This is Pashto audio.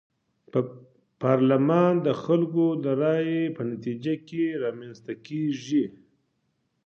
پارلمان د خلکو د رايو په نتيجه کي رامنځته کيږي.